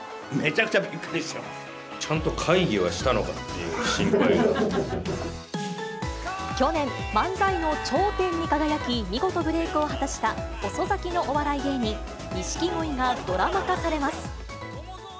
ちゃんと会議はしたのかって去年、漫才の頂点に輝き、見事ブレークを果たした、遅咲きのお笑い芸人、錦鯉がドラマ化されます。